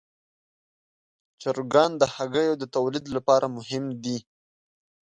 چرګان د هګیو د تولید لپاره مهم دي.